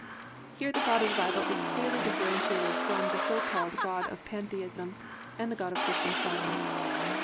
"+ Here the God of the Bible is clearly differentiated from the so called God of Pantheism, and the God of Christian Science.